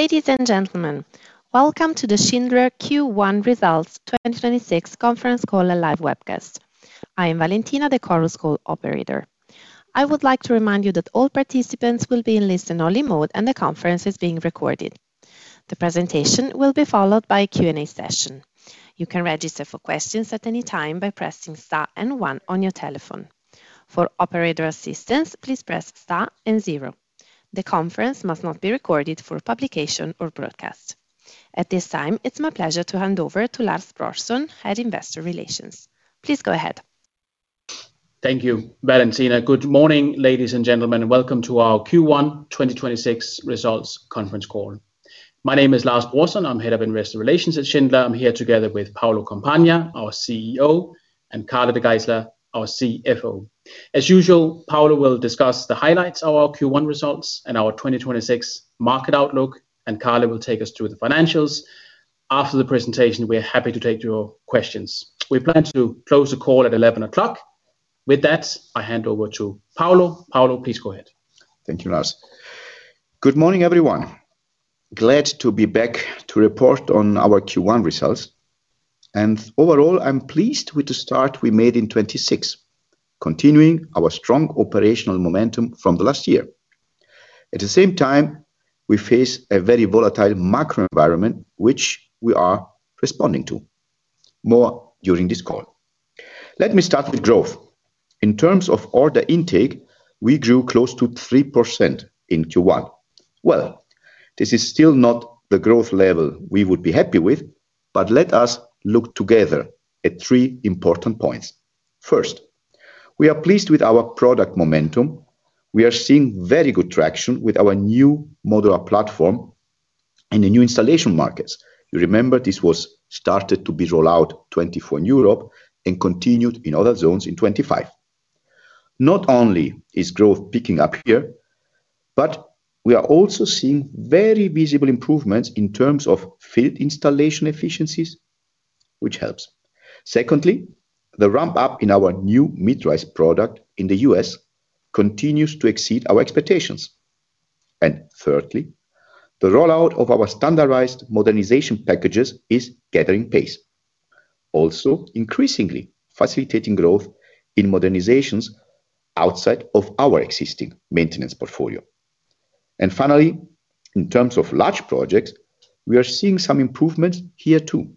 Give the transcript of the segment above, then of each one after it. Ladies and gentlemen, welcome to the Schindler Q1 Results 2026 Conference Call and Live Webcast. I am Valentina, the Chorus Call operator. I would like to remind you that all participants will be in listen-only mode and the conference is being recorded. The presentation will be followed by a Q&A session. You can register for questions at any time by pressing star and one on your telephone. For operator assistance, please press star and zero. The conference must not be recorded for publication or broadcast. At this time, it's my pleasure to hand over to Lars Brorson, Head of Investor Relations. Please go ahead. Thank you, Valentina. Good morning, ladies and gentlemen, and welcome to our Q1 2026 Results Conference Call. My name is Lars Brorson. I'm Head of Investor Relations at Schindler. I'm here together with Paolo Compagna, our CEO, and Carla De Geyseleer, our CFO. As usual, Paolo will discuss the highlights of our Q1 results and our 2026 market outlook, and Carla will take us through the financials. After the presentation, we are happy to take your questions. We plan to close the call at 11:00 A.M. With that, I hand over to Paolo. Paolo, please go ahead. Thank you, Lars. Good morning, everyone. Glad to be back to report on our Q1 results. Overall, I'm pleased with the start we made in 2026, continuing our strong operational momentum from the last year. At the same time, we face a very volatile macro environment, which we are responding to more during this call. Let me start with growth. In terms of order intake, we grew close to 3% in Q1. Well, this is still not the growth level we would be happy with, but let us look together at three important points. First, we are pleased with our product momentum. We are seeing very good traction with our new modular platform in the new installation markets. You remember this was started to be rolled out 2024 in Europe and continued in other zones in 2025. Not only is growth picking up here, but we are also seeing very visible improvements in terms of field installation efficiencies, which helps. Secondly, the ramp-up in our new mid-rise product in the U.S. continues to exceed our expectations. Thirdly, the rollout of our standardized modernization packages is gathering pace, also increasingly facilitating growth in modernizations outside of our existing maintenance portfolio. Finally, in terms of large projects, we are seeing some improvement here too.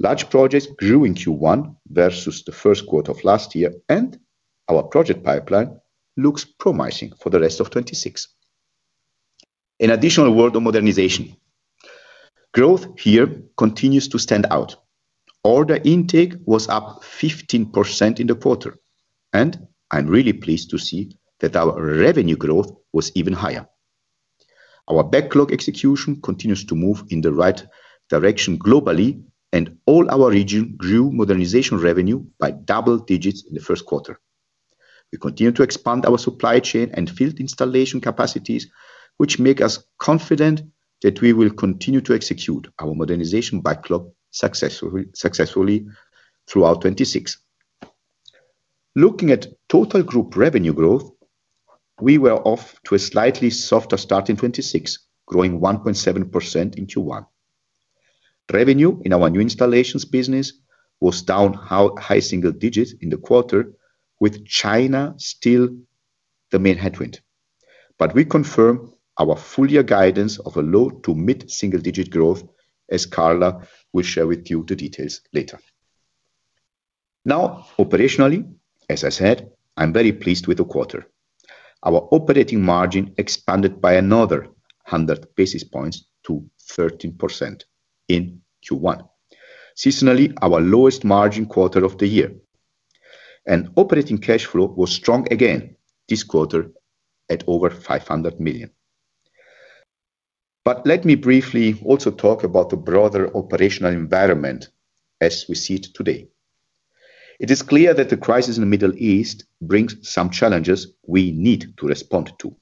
Large projects grew in Q1 versus the first quarter of last year, and our project pipeline looks promising for the rest of 2026. An additional word on modernization. Growth here continues to stand out. Order intake was up 15% in the quarter, and I'm really pleased to see that our revenue growth was even higher. Our backlog execution continues to move in the right direction globally, and all our regions grew modernization revenue by double digits in the first quarter. We continue to expand our supply chain and field installation capacities, which make us confident that we will continue to execute our modernization backlog successfully throughout 2026. Looking at total group revenue growth, we were off to a slightly softer start in 2026, growing 1.7% in Q1. Revenue in our new installations business was down high single digits in the quarter, with China still the main headwind. We confirm our full-year guidance of a low-to-mid single-digit growth, as Carla will share with you the details later. Now, operationally, as I said, I'm very pleased with the quarter. Our operating margin expanded by another 100 basis points to 13% in Q1, seasonally our lowest margin quarter of the year. Operating cash flow was strong again this quarter at over 500 million. Let me briefly also talk about the broader operational environment as we see it today. It is clear that the crisis in the Middle East brings some challenges we need to respond to.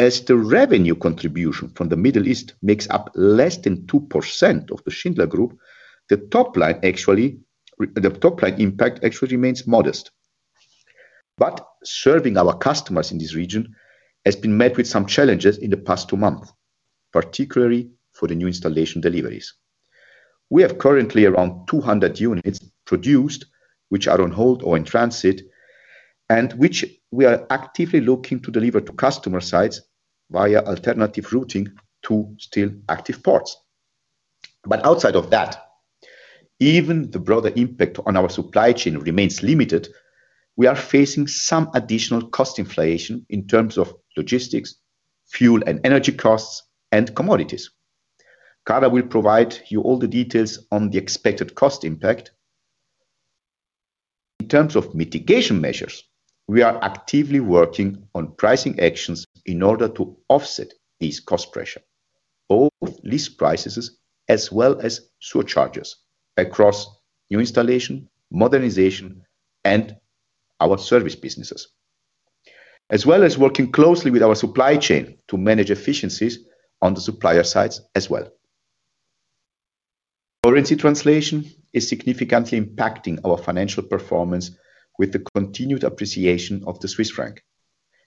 As the revenue contribution from the Middle East makes up less than 2% of the Schindler Group, the top line impact actually remains modest. Serving our customers in this region has been met with some challenges in the past two months, particularly for the new installation deliveries. We have currently around 200 units produced, which are on hold or in transit, and which we are actively looking to deliver to customer sites via alternative routing to still active ports. Outside of that, even the broader impact on our supply chain remains limited. We are facing some additional cost inflation in terms of logistics, fuel and energy costs, and commodities. Carla will provide you all the details on the expected cost impact. In terms of mitigation measures, we are actively working on pricing actions in order to offset these cost pressures, both list prices as well as surcharges across new installation, modernization, and our service businesses. As well as working closely with our supply chain to manage efficiencies on the supplier sides as well. Currency translation is significantly impacting our financial performance with the continued appreciation of the Swiss franc.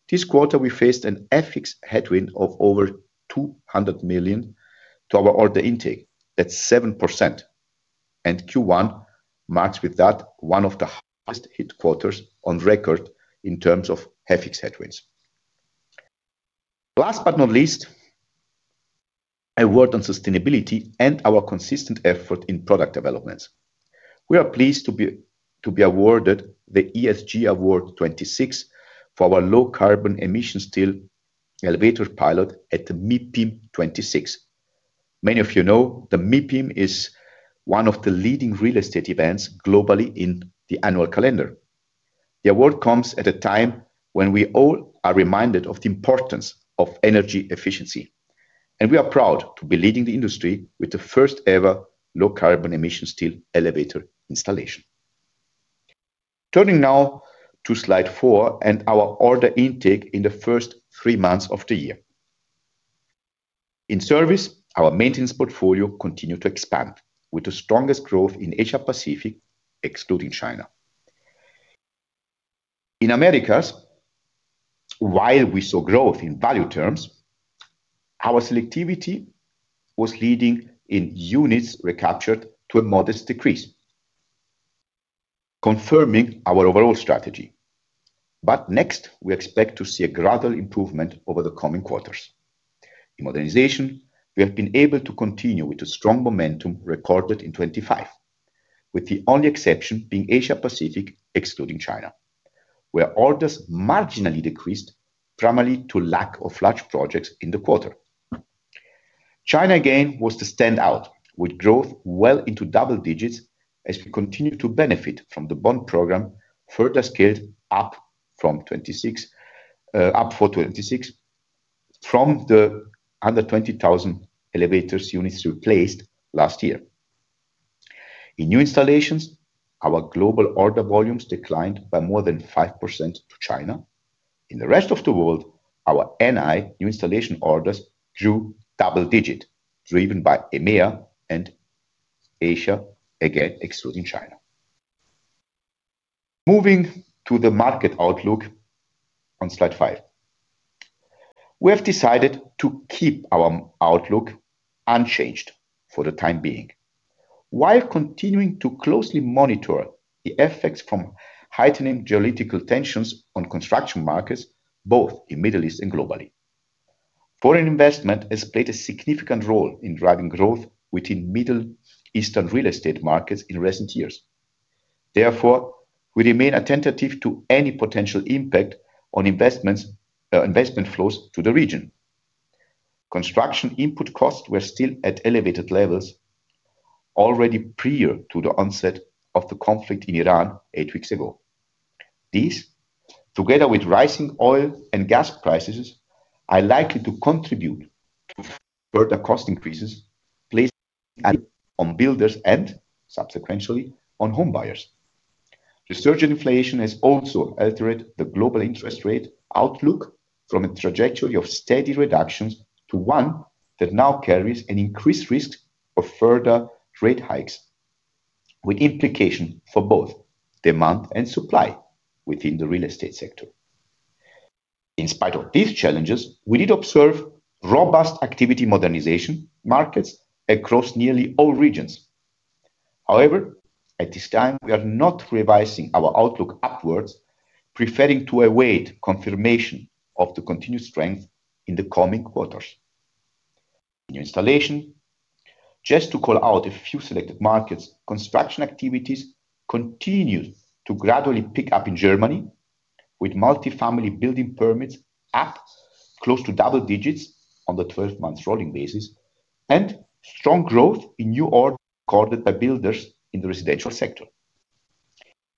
This quarter, we faced an FX headwind of over 200 million to our order intake. That's 7%. Q1 marks with that one of the highest hit quarters on record in terms of FX headwinds. Last but not least, a word on sustainability and our consistent effort in product developments. We are pleased to be awarded the ESG Award 2026 for our low carbon-emissions steel elevator pilot at the MIPIM 2026. Many of you know the MIPIM is one of the leading real estate events globally in the annual calendar. The award comes at a time when we all are reminded of the importance of energy efficiency. We are proud to be leading the industry with the first ever low carbon-emissions steel elevator installation. Turning now to slide four and our order intake in the first three months of the year. In service, our maintenance portfolio continued to expand with the strongest growth in Asia-Pacific, excluding China. In Americas, while we saw growth in value terms, our selectivity was leading in units recaptured to a modest decrease, confirming our overall strategy. Next, we expect to see a gradual improvement over the coming quarters. In modernization, we have been able to continue with the strong momentum recorded in 2025, with the only exception being Asia-Pacific, excluding China, where orders marginally decreased primarily due to lack of large projects in the quarter. China, again, was the standout, with growth well into double digits as we continue to benefit from the Bund program further scaled up for 2026 from the under 20,000 elevator units replaced last year. In new installations, our global order volumes declined by more than 5% in China. In the rest of the world, our NI, new installation orders, grew double digit, driven by EMEA and Asia, again excluding China. Moving to the market outlook on slide five. We have decided to keep our outlook unchanged for the time being while continuing to closely monitor the effects from heightening geopolitical tensions on construction markets both in Middle East and globally. Foreign investment has played a significant role in driving growth within Middle Eastern real estate markets in recent years. Therefore, we remain attentive to any potential impact on investment flows to the region. Construction input costs were still at elevated levels already prior to the onset of the conflict in Iran eight weeks ago. These, together with rising oil and gas prices, are likely to contribute to further cost increases placed on builders and subsequently on homebuyers. Resurgent inflation has also altered the global interest rate outlook from a trajectory of steady reductions to one that now carries an increased risk of further rate hikes, with implication for both demand and supply within the real estate sector. In spite of these challenges, we did observe robust activity in modernization markets across nearly all regions. However, at this time, we are not revising our outlook upwards, preferring to await confirmation of the continued strength in the coming quarters. New installation, just to call out a few selected markets, construction activities continued to gradually pick up in Germany with multifamily building permits up close to double digits on the 12-month rolling basis and strong growth in new orders recorded by builders in the residential sector.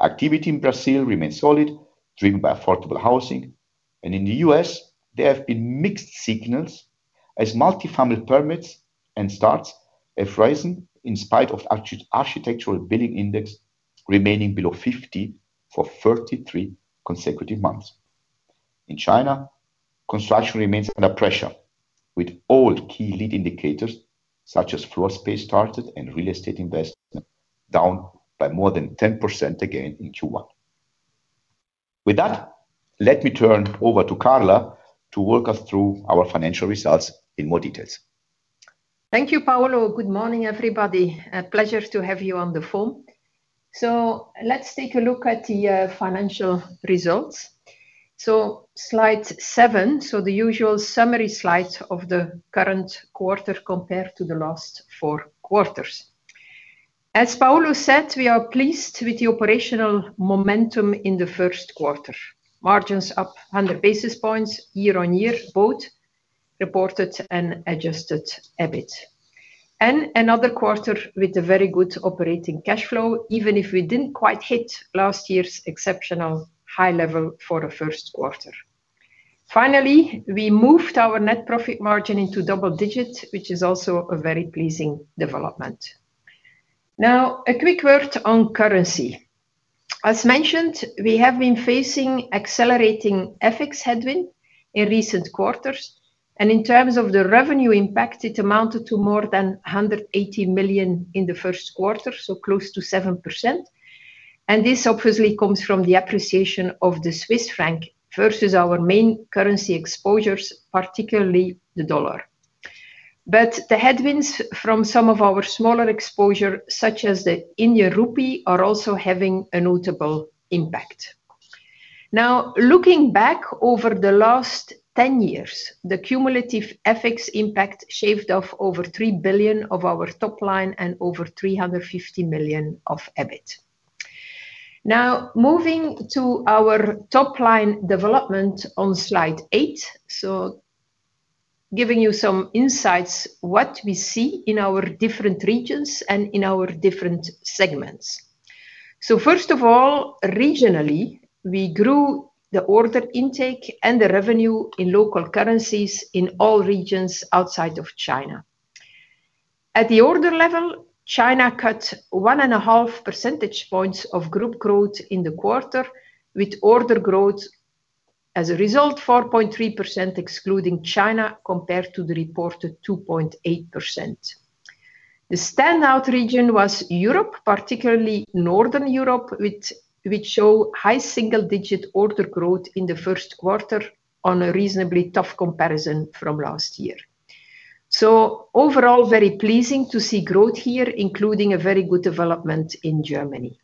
Activity in Brazil remains solid, driven by affordable housing. In the U.S., there have been mixed signals as multifamily permits and starts have risen in spite of Architectural Billing Index remaining below 50 for 33 consecutive months. In China, construction remains under pressure with all key lead indicators such as floor space started and real estate investment down by more than 10% again in Q1. With that, let me turn over to Carla to walk us through our financial results in more details. Thank you, Paolo. Good morning, everybody. A pleasure to have you on the phone. Let's take a look at the financial results. Slide seven, the usual summary slide of the current quarter compared to the last four quarters. As Paolo said, we are pleased with the operational momentum in the first quarter. Margins up 100 basis points year-on-year, both reported and adjusted EBIT. Another quarter with a very good operating cash flow, even if we didn't quite hit last year's exceptional high level for the first quarter. Finally, we moved our net profit margin into double digits, which is also a very pleasing development. Now, a quick word on currency. As mentioned, we have been facing accelerating FX headwind in recent quarters. In terms of the revenue impact, it amounted to more than 180 million in the first quarter, so close to 7%. This obviously comes from the appreciation of the Swiss franc versus our main currency exposures, particularly the dollar. The headwinds from some of our smaller exposure, such as the Indian rupee, are also having a notable impact. Now, looking back over the last 10 years, the cumulative FX impact shaved off over 3 billion of our top line and over 350 million of EBIT. Now, moving to our top line development on slide eight. Giving you some insights, what we see in our different regions and in our different segments. First of all, regionally, we grew the order intake and the revenue in local currencies in all regions outside of China. At the order level, China cut 1.5 percentage points of group growth in the quarter, with order growth, as a result, 4.3% excluding China compared to the reported 2.8%. The standout region was Europe, particularly Northern Europe, which show high single-digit order growth in the first quarter on a reasonably tough comparison from last year. Overall, very pleasing to see growth here, including a very good development in Germany.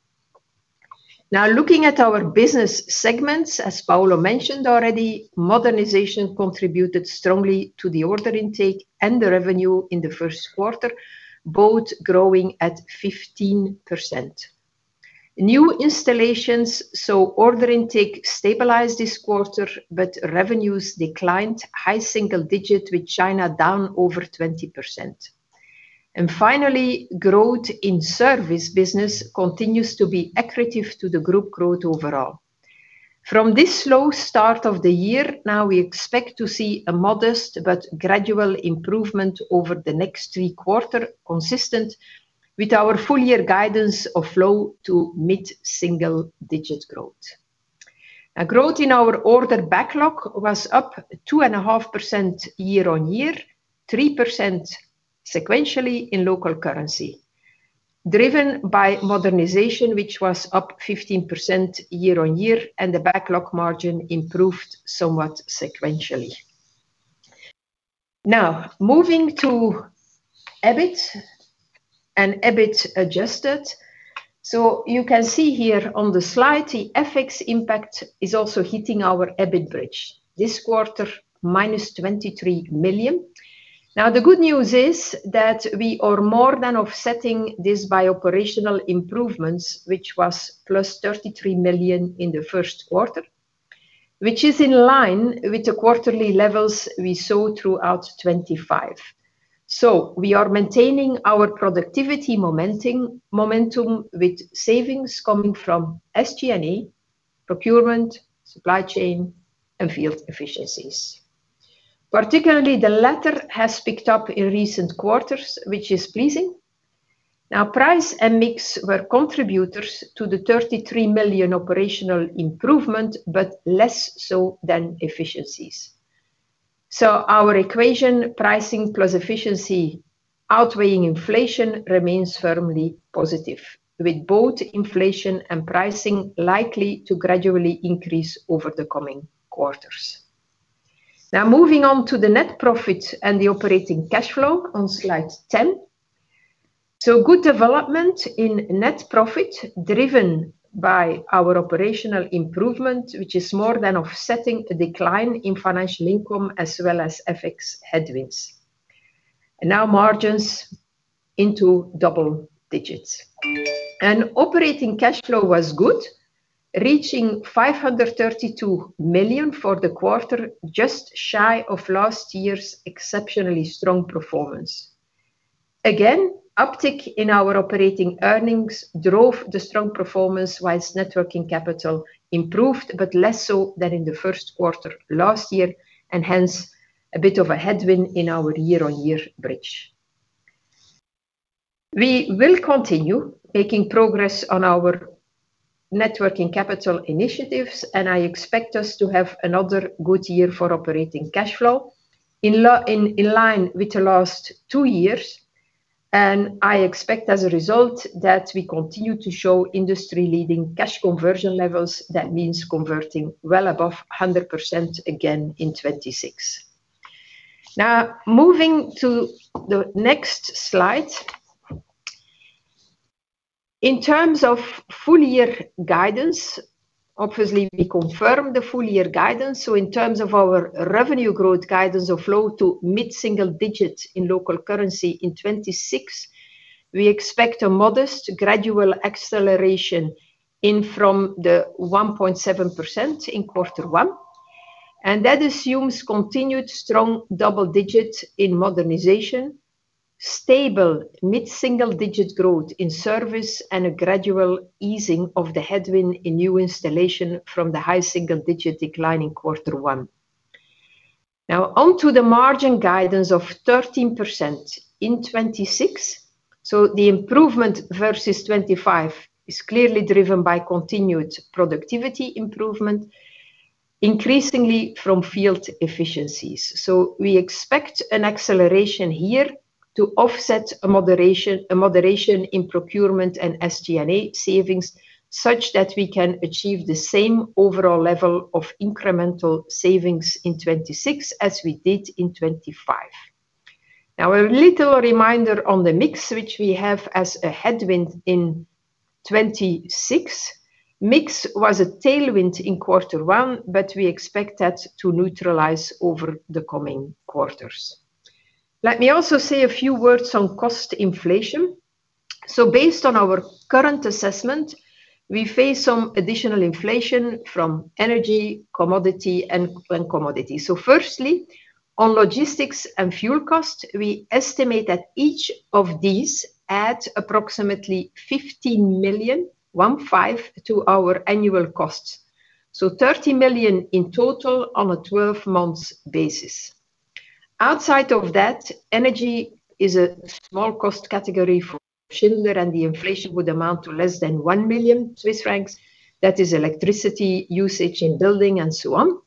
Now looking at our business segments, as Paolo mentioned already, modernization contributed strongly to the order intake and the revenue in the first quarter, both growing at 15%. New installations, order intake stabilized this quarter, but revenues declined high single-digit, with China down over 20%. Finally, growth in service business continues to be accretive to the group growth overall. From this slow start of the year now, we expect to see a modest but gradual improvement over the next three quarters, consistent with our full year guidance of low- to mid-single-digit growth. Now growth in our order backlog was up 2.5% year-on-year, 3% sequentially in local currency. Driven by modernization, which was up 15% year-on-year, and the backlog margin improved somewhat sequentially. Now moving to EBIT and EBIT adjusted. You can see here on the slide, the FX impact is also hitting our EBIT bridge. This quarter, -23 million. Now, the good news is that we are more than offsetting this by operational improvements, which was +33 million in the first quarter, which is in line with the quarterly levels we saw throughout 2025. We are maintaining our productivity momentum with savings coming from SG&A, procurement, supply chain, and field efficiencies. Particularly the latter has picked up in recent quarters, which is pleasing. Now price and mix were contributors to the 33 million operational improvement, but less so than efficiencies. Our equation pricing plus efficiency outweighing inflation remains firmly positive, with both inflation and pricing likely to gradually increase over the coming quarters. Now moving on to the net profit and the operating cash flow on slide 10. Good development in net profit driven by our operational improvement, which is more than offsetting a decline in financial income as well as FX headwinds. Now margins into double digits. Operating cash flow was good, reaching 532 million for the quarter, just shy of last year's exceptionally strong performance. Again, uptick in our operating earnings drove the strong performance while net working capital improved, but less so than in the first quarter last year, and hence a bit of a headwind in our year-on-year bridge. We will continue making progress on our net working capital initiatives, and I expect us to have another good year for operating cash flow in line with the last two years. I expect as a result that we continue to show industry-leading cash conversion levels. That means converting well above 100% again in 2026. Now moving to the next slide. In terms of full year guidance, obviously, we confirm the full year guidance. In terms of our revenue growth guidance of low to mid single digits in local currency in 2026, we expect a modest gradual acceleration in from the 1.7% in quarter one, and that assumes continued strong double digits in modernization, stable mid-single digit growth in service, and a gradual easing of the headwind in new installation from the high single digit decline in quarter one. Now on to the margin guidance of 13% in 2026. The improvement versus 2025 is clearly driven by continued productivity improvement, increasingly from field efficiencies. We expect an acceleration here to offset a moderation in procurement and SG&A savings such that we can achieve the same overall level of incremental savings in 2026 as we did in 2025. Now, a little reminder on the mix, which we have as a headwind in 2026. Mix was a tailwind in quarter one, but we expect that to neutralize over the coming quarters. Let me also say a few words on cost inflation. Based on our current assessment, we face some additional inflation from energy and commodity. Firstly, on logistics and fuel costs, we estimate that each of these add approximately 15 million to our annual costs. 30 million in total on a 12-month basis. Outside of that, energy is a small cost category for Schindler, and the inflation would amount to less than 1 million Swiss francs. That is electricity usage in building and so on.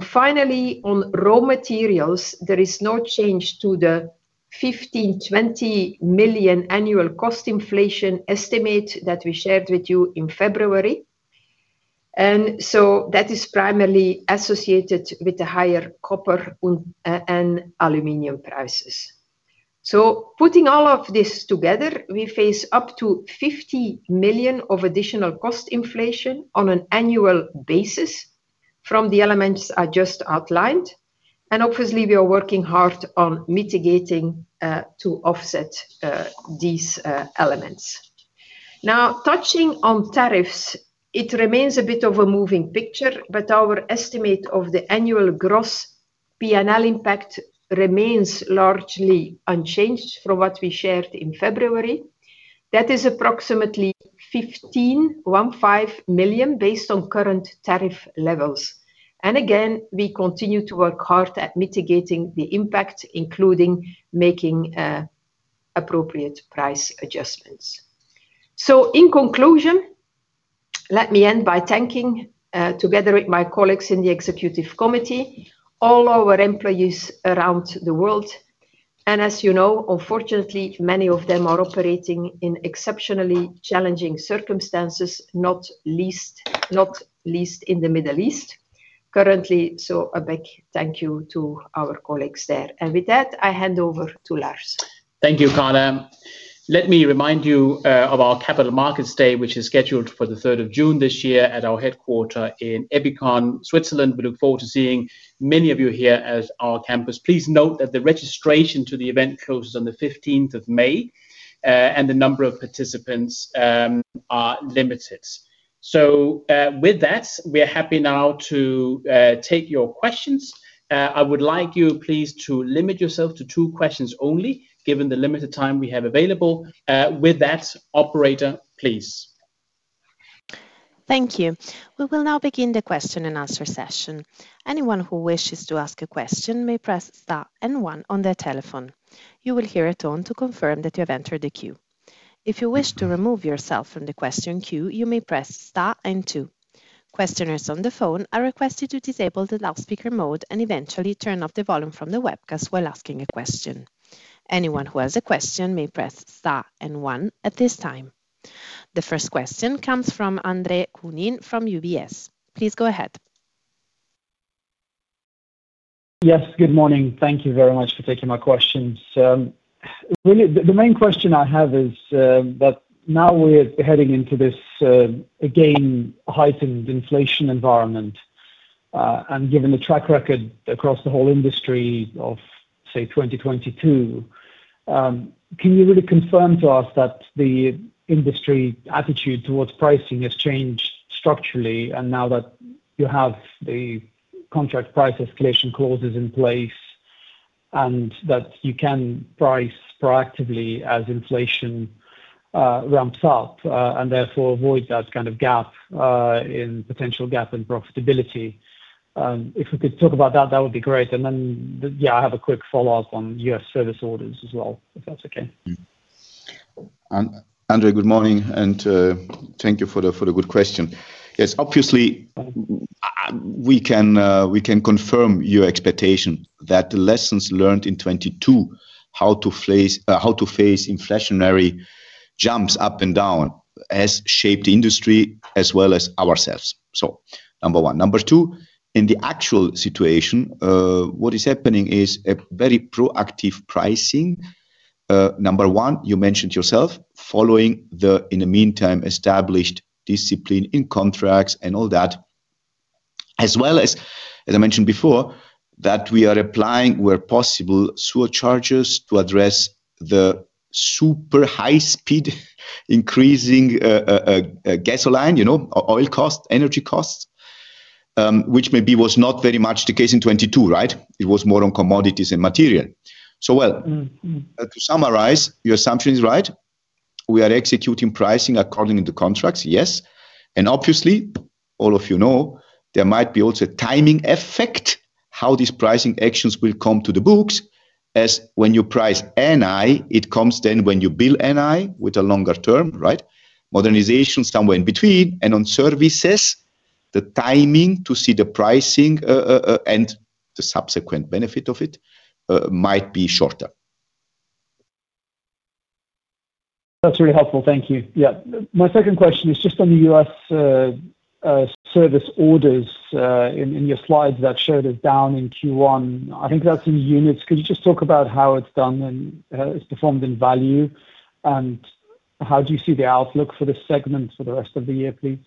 Finally, on raw materials, there is no change to the 15 million-20 million annual cost inflation estimate that we shared with you in February. That is primarily associated with the higher copper and aluminum prices. Putting all of this together, we face up to 50 million of additional cost inflation on an annual basis from the elements I just outlined. Obviously we are working hard on mitigating to offset these elements. Now touching on tariffs, it remains a bit of a moving picture, but our estimate of the annual gross P&L impact remains largely unchanged from what we shared in February. That is approximately 15 million based on current tariff levels. Again, we continue to work hard at mitigating the impact, including making appropriate price adjustments. In conclusion, let me end by thanking, together with my colleagues in the executive committee, all our employees around the world. As you know, unfortunately, many of them are operating in exceptionally challenging circumstances, not least in the Middle East currently. A big thank you to our colleagues there. With that, I hand over to Lars. Thank you, Carla. Let me remind you of our Capital Markets Day, which is scheduled for the 3rd of June this year at our headquarters in Ebikon, Switzerland. We look forward to seeing many of you here at our campus. Please note that the registration to the event closes on the 15th of May. The number of participants are limited. With that, we are happy now to take your questions. I would like you please to limit yourself to two questions only, given the limited time we have available. With that, operator, please. Thank you. We will now begin the question and answer session. Anyone who wishes to ask a question may press star and one on their telephone. You will hear a tone to confirm that you have entered the queue. If you wish to remove yourself from the question queue, you may press star and two. Questioners on the phone are requested to disable the loudspeaker mode and eventually turn off the volume from the webcast while asking a question. Anyone who has a question may press star and one at this time. The first question comes from Andre Kukhnin from UBS. Please go ahead. Yes, good morning. Thank you very much for taking my questions. The main question I have is that now we're heading into this again heightened inflation environment. Given the track record across the whole industry of, say, 2022, can you really confirm to us that the industry attitude towards pricing has changed structurally and now that you have the contract price escalation clauses in place and that you can price proactively as inflation ramps up, and therefore avoid that potential gap in profitability? If we could talk about that would be great. Yeah, I have a quick follow-up on U.S. service orders as well, if that's okay. Andre, good morning, and thank you for the good question. Yes, obviously, we can confirm your expectation that the lessons learned in 2022, how to face inflationary jumps up and down has shaped the industry as well as ourselves. Number one. Number two, in the actual situation, what is happening is a very proactive pricing. Number one, you mentioned yourself following the, in the meantime, established discipline in contracts and all that, as well as I mentioned before, that we are applying, where possible, surcharges to address the super high speed increasing gasoline, oil cost, energy costs, which maybe was not very much the case in 2022, right? It was more on commodities and material. Well, to summarize, your assumption is right. We are executing pricing according to contracts, yes. Obviously, all of you know, there might be also a timing effect, how these pricing actions will come to the books, as when you price NI, it comes then when you bill NI with a longer term, right? Modernization, somewhere in between. On services, the timing to see the pricing, and the subsequent benefit of it, might be shorter. That's really helpful. Thank you. Yeah. My second question is just on the U.S. service orders in your slides that showed it down in Q1. I think that's in units. Could you just talk about how it's doing and how it's performed in value, and how do you see the outlook for this segment for the rest of the year, please?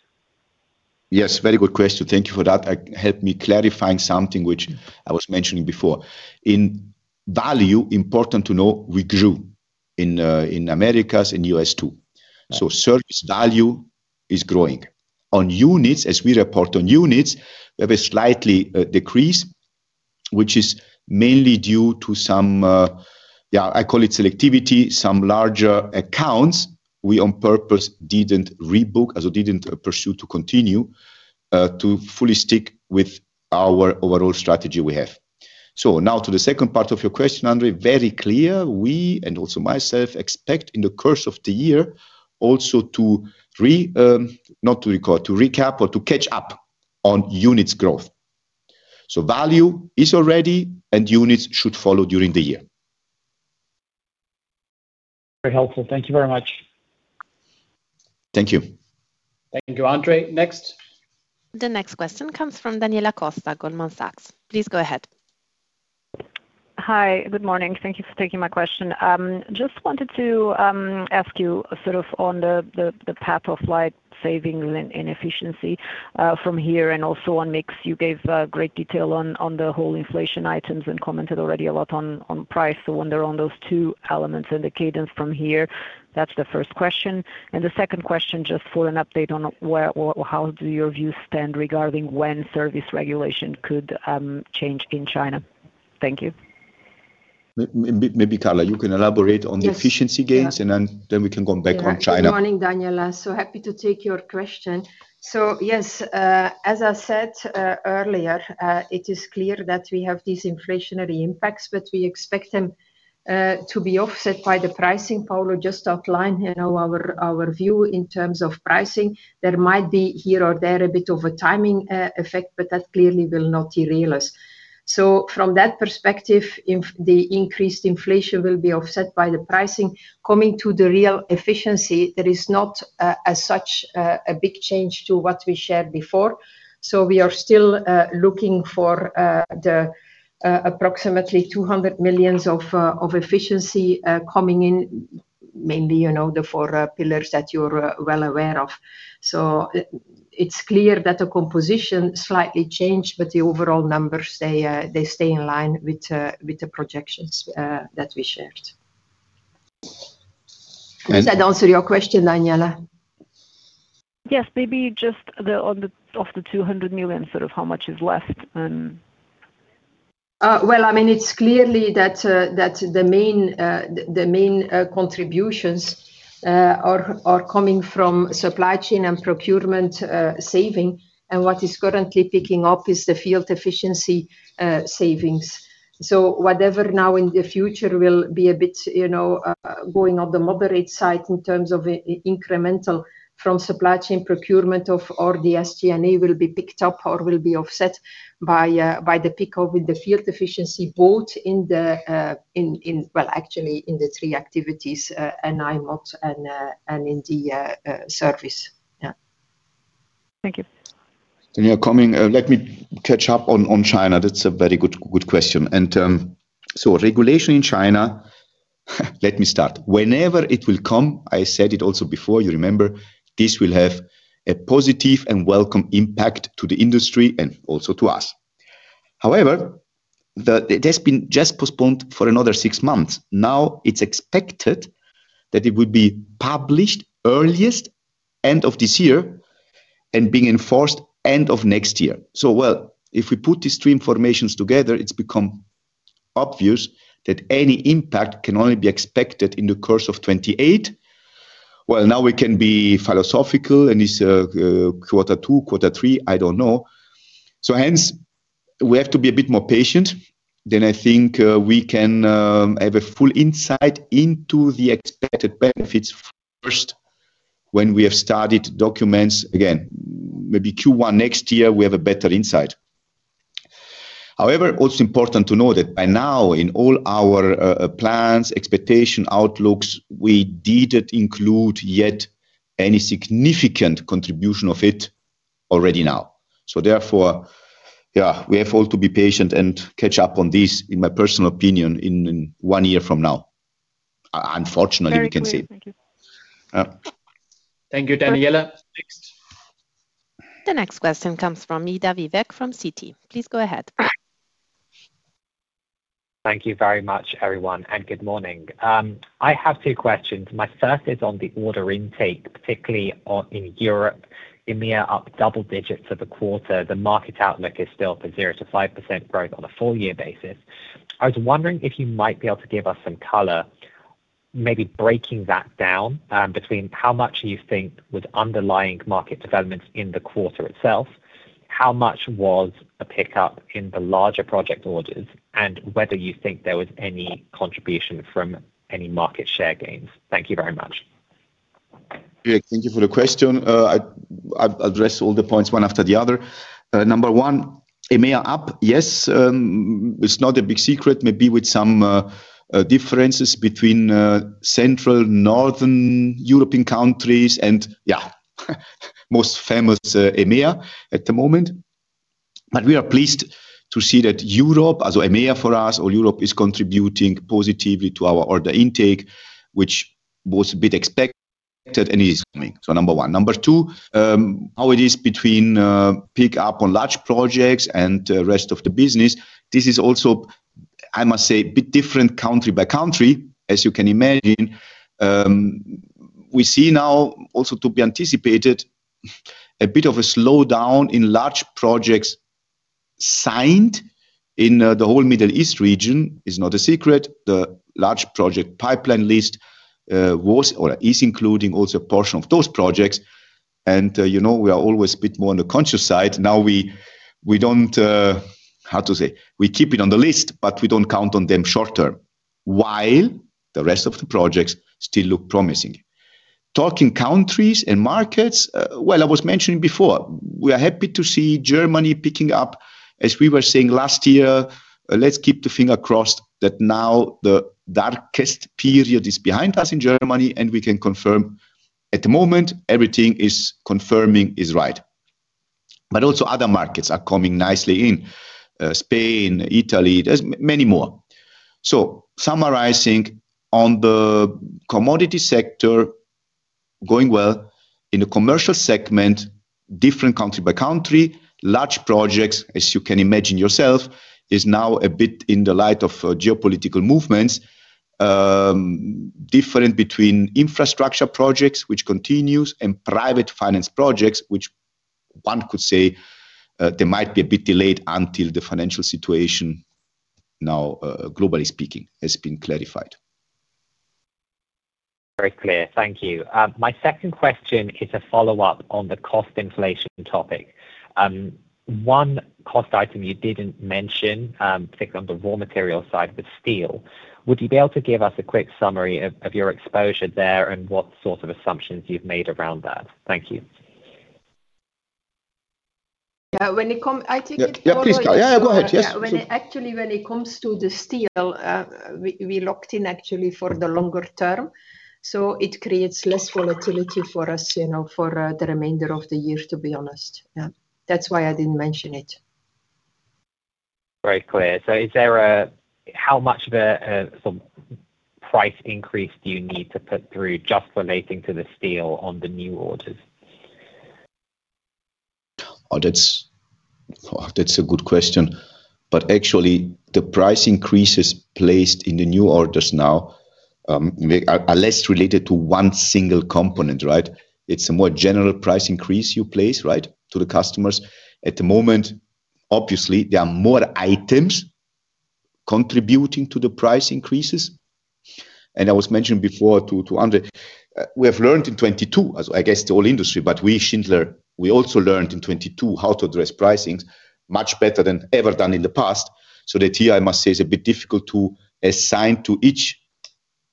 Yes, very good question. Thank you for that. It helped me clarifying something which I was mentioning before. In value, important to know, we grew in Americas, in U.S. too. Service value is growing. On units, as we report on units, we have a slight decrease, which is mainly due to some, yeah, I call it selectivity, some larger accounts we on purpose didn't rebook, as we didn't pursue to continue, to fully stick with our overall strategy we have. Now to the second part of your question, Andre, very clear, we, and also myself, expect in the course of the year also to not to record, to recap or to catch up on units growth. Value is already, and units should follow during the year. Very helpful. Thank you very much. Thank you. Thank you, Andre. Next. The next question comes from Daniela Costa, Goldman Sachs. Please go ahead. Hi. Good morning. Thank you for taking my question. Just wanted to ask you sort of on the path of savings and inefficiency from here and also on mix, you gave great detail on the whole inflation items and commented already a lot on price. Wonder on those two elements and the cadence from here. That's the first question. The second question, just for an update on where or how do your views stand regarding when service regulation could change in China? Thank you. Maybe, Carla, you can elaborate on the efficiency gains. Yes. We can come back on China. Good morning, Daniela. Happy to take your question. Yes, as I said earlier, it is clear that we have these inflationary impacts, but we expect them to be offset by the pricing. Paolo just outlined our view in terms of pricing. There might be here or there a bit of a timing effect, but that clearly will not derail us. From that perspective, the increased inflation will be offset by the pricing. Coming to the real efficiency, there is not as such a big change to what we shared before. We are still looking for the approximately 200 million of efficiency coming in mainly the four pillars that you're well aware of. It's clear that the composition slightly changed, but the overall numbers, they stay in line with the projections that we shared. And- Does that answer your question, Daniela? Yes. Maybe just of the 200 million, sort of how much is left and... Well, it's clearly that the main contributions are coming from supply chain and procurement savings. What is currently picking up is the field efficiency savings. Whatever now in the future will be a bit going on the moderate side in terms of incremental from supply chain procurement of, or the SG&A will be picked up or will be offset by the pickup with the field efficiency both in the well, actually in the three activities, NI, Mod and in the service. Yeah. Thank you. Yeah, let me catch up on China. That's a very good question. Regulation in China, let me start. Whenever it will come, I said it also before, you remember, this will have a positive and welcome impact to the industry and also to us. However, it has been just postponed for another six months. Now it's expected that it will be published earliest end of this year and being enforced end of next year. Well, if we put these two informations together, it's become obvious that any impact can only be expected in the course of 2028. Well, now we can be philosophical and it's quarter two, quarter three, I don't know. Hence we have to be a bit more patient. I think we can have a full insight into the expected benefits first when we have studied documents again, maybe Q1 next year, we have a better insight. However, also important to know that by now, in all our plans, expectation, outlooks, we didn't include yet any significant contribution of it already now. Therefore, yeah, we have all to be patient and catch up on this, in my personal opinion, in one year from now. Unfortunately, we can say. Very clear. Thank you. Yeah. Thank you, Daniela. Next. The next question comes from Midha Vivek from Citi. Please go ahead. Thank you very much, everyone, and good morning. I have two questions. My first is on the order intake, particularly in Europe, EMEA up double digits for the quarter. The market outlook is still for 0%-5% growth on a full year basis. I was wondering if you might be able to give us some color, maybe breaking that down between how much you think was underlying market developments in the quarter itself, how much was a pickup in the larger project orders, and whether you think there was any contribution from any market share gains. Thank you very much. Vivek, thank you for the question. I'll address all the points one after the other. Number one, EMEA up. Yes, it's not a big secret. Maybe with some differences between central, northern European countries, and yeah, most of EMEA at the moment. We are pleased to see that Europe, as EMEA for us, or Europe, is contributing positively to our order intake, which was a bit expected, and is coming. Number one. Number two, how it is between the pickup on large projects and the rest of the business. This is also, I must say, a bit different country by country, as you can imagine. We see now also, to be anticipated, a bit of a slowdown in large projects signed in the whole Middle East region. It's not a secret. The large project pipeline list was, or is, including also a portion of those projects. We are always a bit more on the cautious side. Now we don't, how to say? We keep it on the list, but we don't count on them short term, while the rest of the projects still look promising. Talking countries and markets, well, I was mentioning before, we are happy to see Germany picking up, as we were seeing last year. Let's keep fingers crossed that now the darkest period is behind us in Germany, and we can confirm at the moment everything is confirming is right. Also other markets are coming nicely in. Spain, Italy. There are many more. Summarizing on the commodity sector, going well. In the commercial segment, different country by country, large projects, as you can imagine yourself, is now a bit in the light of geopolitical movements, different between infrastructure projects, which continues, and private finance projects, which one could say they might be a bit delayed until the financial situation now, globally speaking, has been clarified. Very clear. Thank you. My second question is a follow-up on the cost inflation topic. One cost item you didn't mention, particularly on the raw material side, was steel. Would you be able to give us a quick summary of your exposure there and what sort of assumptions you've made around that? Thank you. Yeah. I take it. Yeah, please, Carla. Go ahead. Yes. Actually, when it comes to the steel, we locked in actually for the longer term. It creates less volatility for us for the remainder of the year, to be honest. Yeah. That's why I didn't mention it. Very clear. How much of a price increase do you need to put through just relating to the steel on the new orders? Oh, that's a good question. Actually, the price increases placed in the new orders now are less related to one single component, right? It's a more general price increase you place, right, to the customers. At the moment, obviously, there are more items contributing to the price increases, and I was mentioning before to Andre, we have learned in 2022, as I guess the whole industry, but we at Schindler, we also learned in 2022 how to address pricings much better than ever done in the past. That here, I must say, it's a bit difficult to assign to each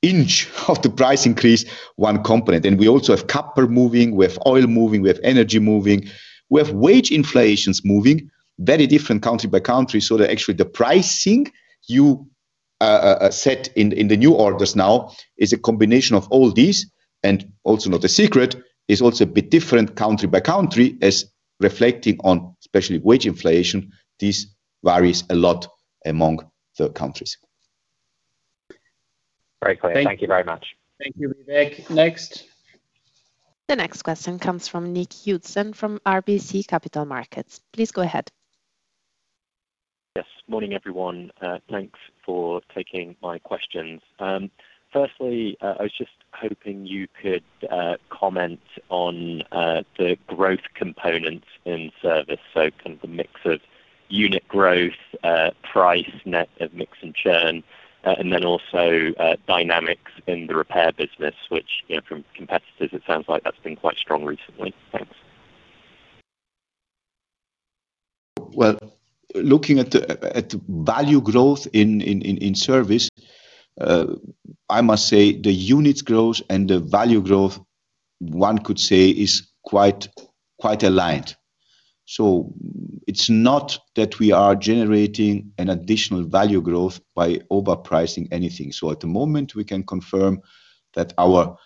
inch of the price increase one component. We also have copper moving, we have oil moving, we have energy moving. We have wage inflations moving very different country by country. That actually the pricing you set in the new orders now is a combination of all these, and also not a secret, is also a bit different country by country as reflecting on especially wage inflation. This varies a lot among the countries. Very clear. Thank you very much. Thank you, Vivek. Next. The next question comes from Nic Hudson from RBC Capital Markets. Please go ahead. Yes. Morning, everyone. Thanks for taking my questions. Firstly, I was just hoping you could comment on the growth components in service, so kind of the mix of unit growth, price, net of mix and churn, and then also dynamics in the repair business, which from competitors, it sounds like that's been quite strong recently. Thanks. Well, looking at value growth in service, I must say the unit growth and the value growth, one could say is quite aligned. It's not that we are generating an additional value growth by overpricing anything. At the moment, we can confirm that our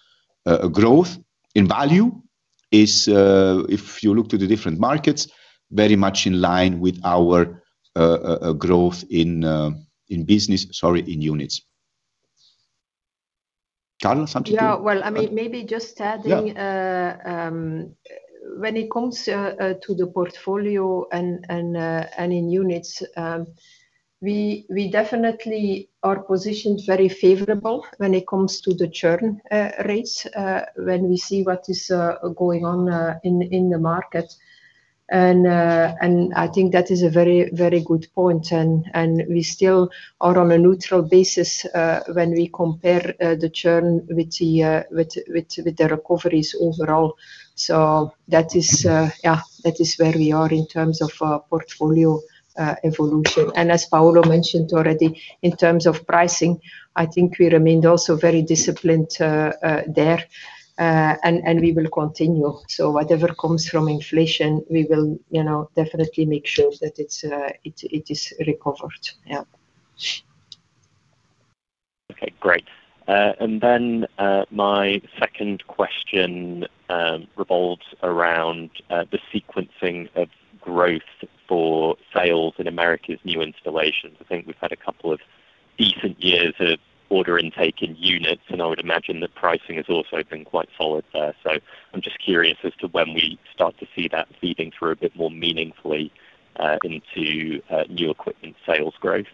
growth in value is, if you look to the different markets, very much in line with our growth in business, sorry, in units. Carla, something? Yeah. Well, maybe just adding. Yeah When it comes to the portfolio and in units, we definitely are positioned very favorably when it comes to the churn rates, when we see what is going on in the market. I think that is a very good point, and we still are on a neutral basis when we compare the churn with the recoveries overall. That is where we are in terms of our portfolio evolution. As Paolo mentioned already, in terms of pricing, I think we remained also very disciplined there, and we will continue. Whatever comes from inflation, we will definitely make sure that it is recovered. Yeah. Okay, great. My second question revolves around the sequencing of growth for sales in America's new installations. I think we've had a couple of decent years of order intake in units, and I would imagine that pricing has also been quite solid there. I'm just curious as to when we start to see that feeding through a bit more meaningfully into new equipment sales growth.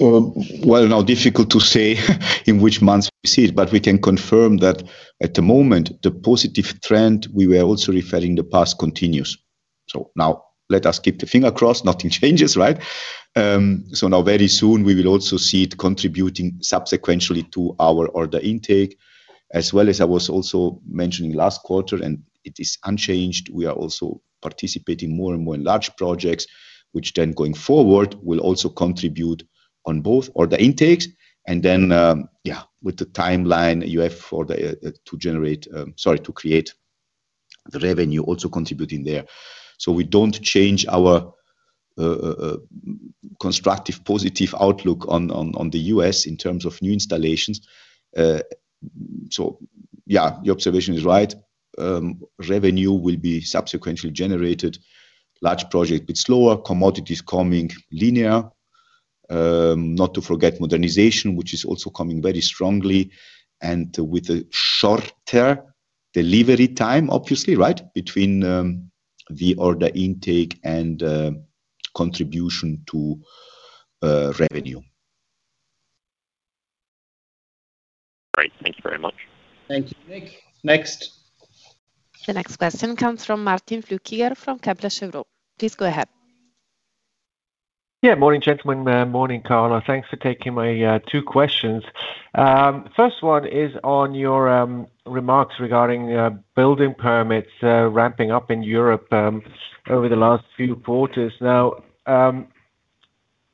Well, it's now difficult to say in which months we see it, but we can confirm that at the moment, the positive trend we were also referring to in the past continues. Let us keep fingers crossed nothing changes, right? Now very soon we will also see it contributing subsequently to our order intake as well as I was also mentioning last quarter, and it is unchanged. We are also participating more and more in large projects, which then going forward will also contribute on both order intakes and then with the timeline you have to create the revenue also contributing there. We don't change our constructive positive outlook on the U.S. in terms of new installations. Yeah, your observation is right. Revenue will be subsequently generated, large projects, but slower commodities coming linearly. Not to forget modernization, which is also coming very strongly and with a shorter delivery time, obviously, right, between the order intake and contribution to revenue. Great. Thank you very much. Thank you Nic. Next. The next question comes from Martin Flückiger from Kepler Cheuvreux. Please go ahead. Morning, gentlemen. Morning, Carla. Thanks for taking my two questions. First one is on your remarks regarding building permits ramping up in Europe over the last few quarters. I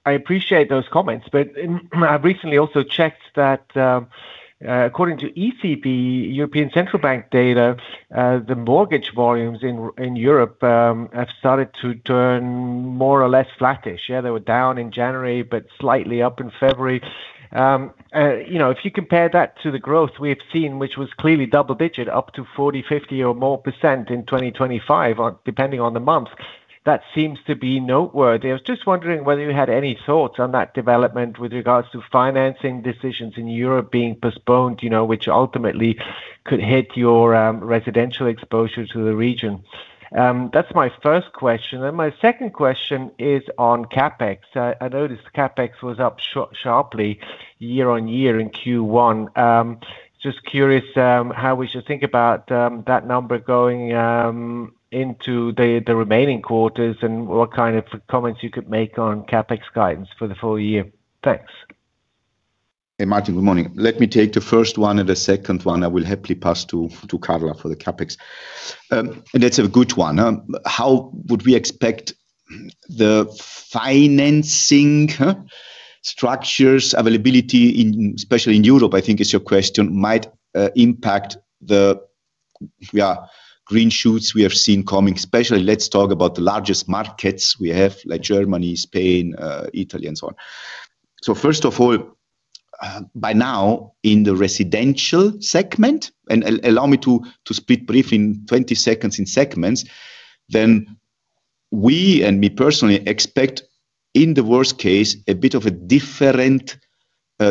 appreciate those comments, but I've recently also checked that according to ECB, European Central Bank data, the mortgage volumes in Europe have started to turn more or less flattish. They were down in January, but slightly up in February. If you compare that to the growth we have seen, which was clearly double-digit, up to 40%, 50% or more percent in 2025 depending on the month, that seems to be noteworthy. I was just wondering whether you had any thoughts on that development with regards to financing decisions in Europe being postponed which ultimately could hit your residential exposure to the region. That's my first question, and my second question is on CapEx. I noticed CapEx was up sharply year-on-year in Q1. Just curious how we should think about that number going into the remaining quarters and what kind of comments you could make on CapEx guidance for the full year? Thanks. Hey, Martin. Good morning. Let me take the first one, and the second one I will happily pass to Carla for the CapEx. That's a good one. How would we expect the financing structures availability, especially in Europe, I think is your question, might impact the green shoots we have seen coming, especially let's talk about the largest markets we have, like Germany, Spain, Italy, and so on. First of all, by now in the residential segment, and allow me to speak briefly in 20 seconds in segments, then we and me personally expect in the worst case a bit of a different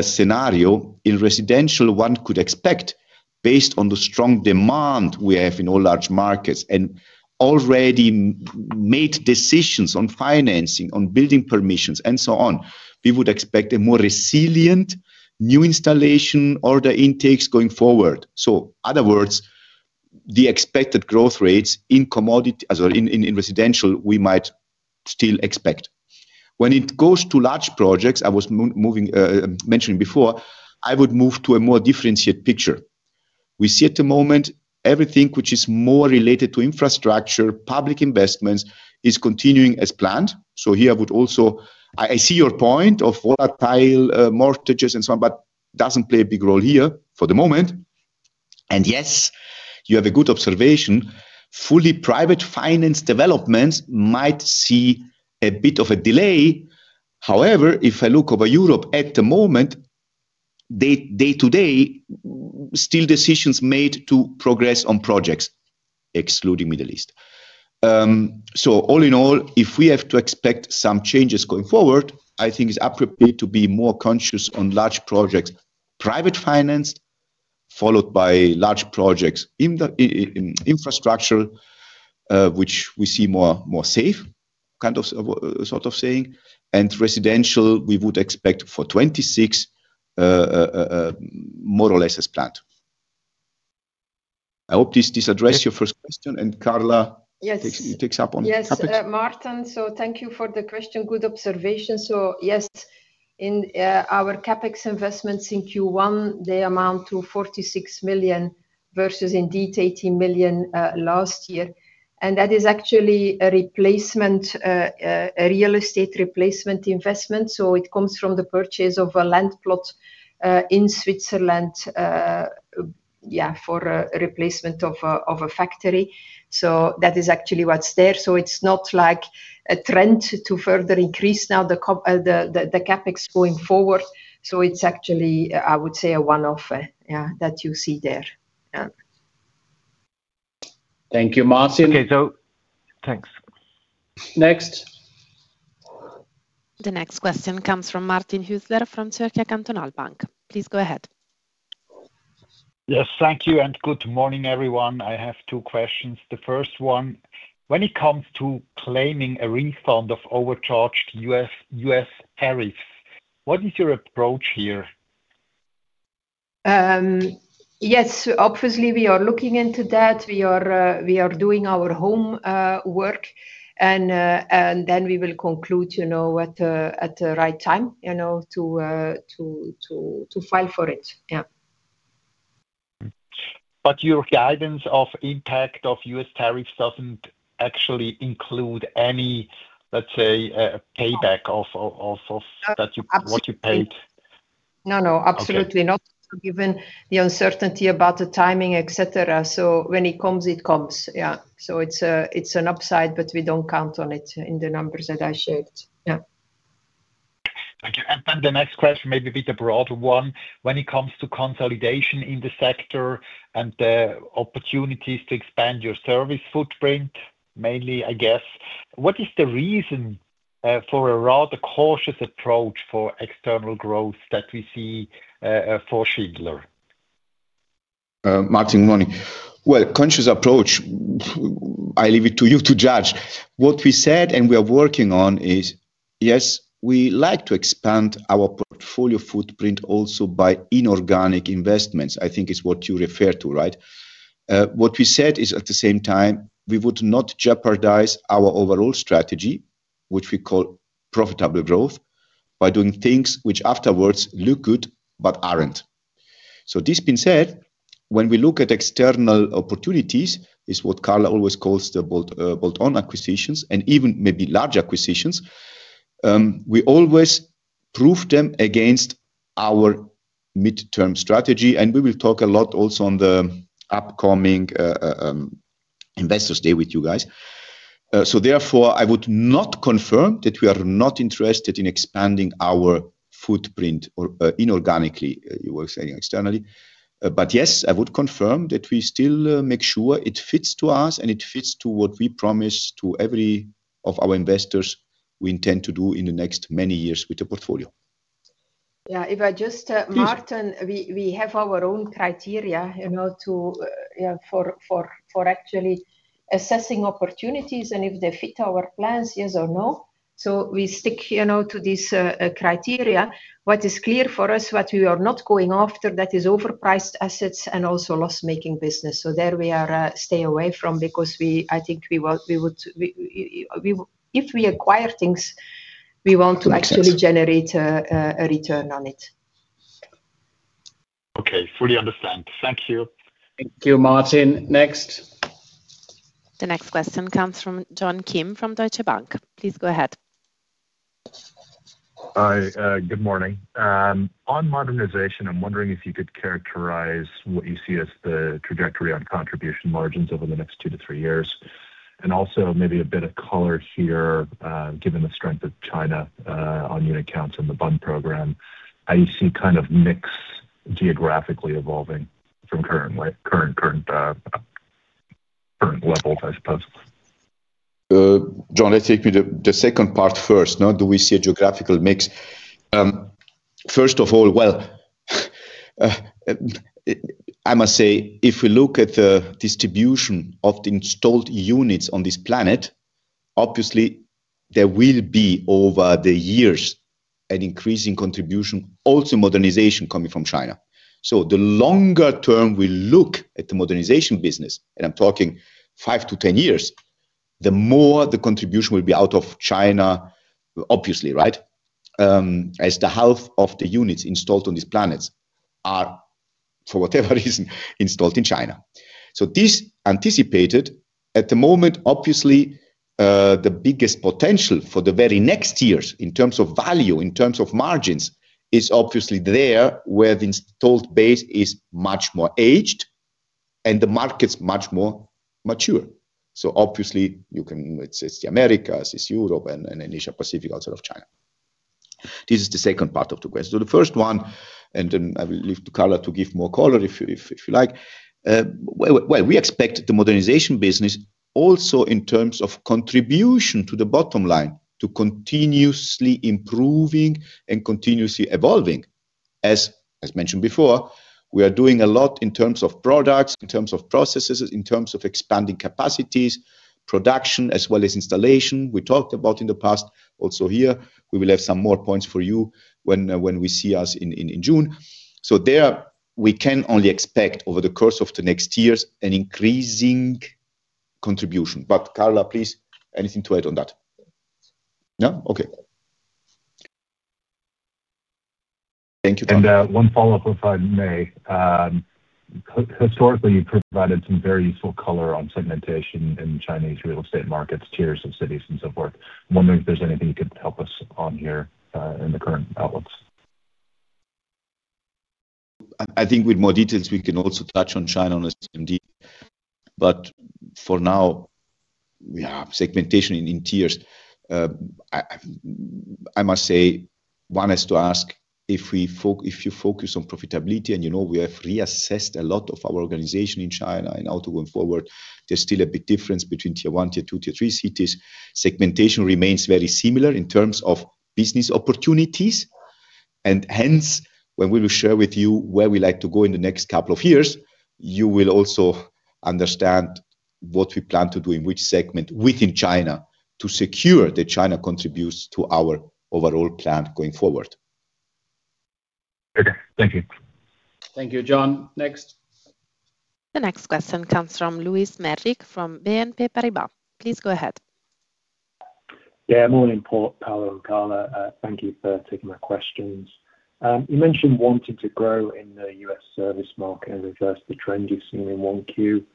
scenario in residential one could expect based on the strong demand we have in all large markets and already made decisions on financing, on building permissions and so on. We would expect a more resilient new installation order intakes going forward. In other words, the expected growth rates in residential we might still expect. When it goes to large projects, I was mentioning before, I would move to a more differentiated picture. We see at the moment everything which is more related to infrastructure, public investments is continuing as planned. Here I would also see your point of volatile mortgages and so on, but it doesn't play a big role here for the moment. Yes, you have a good observation. Fully privately financed developments might see a bit of a delay. However, if I look over Europe at the moment, day-to-day, still decisions made to progress on projects, excluding Middle East. All in all, if we have to expect some changes going forward, I think it's appropriate to be more cautious on large projects, private financed, followed by large projects in infrastructure, which we see more safe, sort of saying. Residential, we would expect for 2026, more or less as planned. I hope this address your first question, and Carla. Yes. Takes up on CapEx. Yes, Martin, thank you for the question. Good observation. Yes, in our CapEx investments in Q1, they amount to 46 million versus indeed 18 million last year. That is actually a real estate replacement investment. It comes from the purchase of a land plot in Switzerland for replacement of a factory. That is actually what's there. It's not like a trend to further increase now the CapEx going forward. It's actually, I would say, a one-off that you see there. Yeah. Thank you, Martin. Okay, thanks. Next. The next question comes from Martin Hüsler from Zürcher Kantonalbank. Please go ahead. Yes, thank you, and good morning, everyone. I have two questions. The first one, when it comes to claiming a refund of overcharged U.S. tariffs, what is your approach here? Yes. Obviously, we are looking into that. We are doing our homework, and then we will conclude at the right time to file for it. Yeah. Your guidance of impact of U.S. tariffs doesn't actually include any, let's say, payback of what you paid. No, no. Absolutely not. Okay. Given the uncertainty about the timing, et cetera. When it comes, it comes. Yeah. It's an upside, but we don't count on it in the numbers that I shared. Yeah. Thank you. The next question, maybe a bit broader one. When it comes to consolidation in the sector and the opportunities to expand your service footprint, mainly, I guess, what is the reason for a rather cautious approach for external growth that we see for Schindler? Martin, morning. Well, conscious approach, I leave it to you to judge. What we said and we are working on is, yes, we like to expand our portfolio footprint also by inorganic investments, I think is what you refer to, right? What we said is, at the same time, we would not jeopardize our overall strategy, which we call profitable growth, by doing things which afterwards look good but aren't. This being said, when we look at external opportunities, it's what Carla always calls the bolt-on acquisitions and even maybe large acquisitions, we always prove them against our midterm strategy, and we will talk a lot also on the upcoming Investor Day with you guys. Therefore, I would not confirm that we are not interested in expanding our footprint inorganically, you were saying externally. Yes, I would confirm that we still make sure it fits to us and it fits to what we promise to every of our investors we intend to do in the next many years with the portfolio. Yeah. Please. Martin, we have our own criteria for actually assessing opportunities and if they fit our plans, yes or no. We stick to this criteria. What is clear for us, what we are not going after, that is overpriced assets and also loss-making business. There we stay away from because if we acquire things, we want to actually generate a return on it. Okay. Fully understand. Thank you. Thank you, Martin. Next. The next question comes from John Kim from Deutsche Bank. Please go ahead. Hi. Good morning. On modernization, I'm wondering if you could characterize what you see as the trajectory on contribution margins over the next two to three years. Also maybe a bit of color here, given the strength of China on unit counts and the Bund program, how you see mix geographically evolving from current levels, I suppose. John, let's take the second part first. Do we see a geographical mix? First of all, well, I must say, if we look at the distribution of the installed units on this planet, obviously there will be, over the years, an increasing contribution, also modernization coming from China. The longer term we look at the modernization business, and I'm talking five to 10 years, the more the contribution will be out of China, obviously, right? As half of the units installed on this planet are, for whatever reason, installed in China. This is anticipated, at the moment, obviously, the biggest potential for the very next years in terms of value, in terms of margins, is obviously there, where the installed base is much more aged and the market's much more mature. Obviously you can. It's the Americas, it's Europe and Asia Pacific outside of China. This is the second part of the question. The first one, and then I will leave to Carla to give more color if you like. Well, we expect the modernization business also in terms of contribution to the bottom line to continuously improving and continuously evolving. As mentioned before, we are doing a lot in terms of products, in terms of processes, in terms of expanding capacities, production, as well as installation. We talked about in the past also here, we will have some more points for you when we see us in June. There we can only expect over the course of the next years an increasing contribution. Carla, please, anything to add on that? No? Okay. Thank you. One follow-up, if I may. Historically, you've provided some very useful color on segmentation in Chinese real estate markets, tiers of cities and so forth. I'm wondering if there's anything you could help us on here in the current outlooks. I think with more details we can also touch on China on this indeed, but for now, yeah, segmentation in tiers. I must say, one has to ask if you focus on profitability and you know we have reassessed a lot of our organization in China and how to go forward. There's still a big difference between tier one, tier two, tier three cities. Segmentation remains very similar in terms of business opportunities, and hence, when we will share with you where we like to go in the next couple of years, you will also understand what we plan to do in which segment within China to secure that China contributes to our overall plan going forward. Okay. Thank you. Thank you, John. Next. The next question comes from Lewis Merrick from BNP Paribas. Please go ahead. Yeah. Morning, Paul, Paolo and Carla. Thank you for taking my questions. You mentioned wanting to grow in the U.S. service market and reverse the trend you've seen in 1Q.